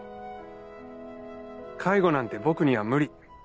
介護なんて僕には無理。